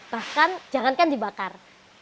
bahkan jangankan dibakar